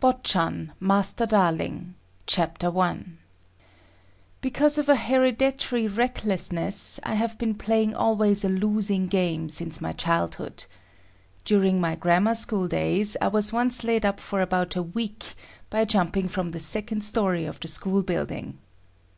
BOTCHAN (MASTER DARLING) CHAPTER I Because of an hereditary recklessness, I have been playing always a losing game since my childhood. During my grammar school days, I was once laid up for about a week by jumping from the second story of the school building.